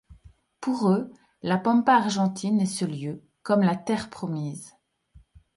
Pour eux, la pampa argentine est ce lieu, comme la Terre Promise.